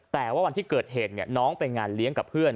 แต่ว่าวันที่เกิดเหตุน้องไปงานเลี้ยงกับเพื่อน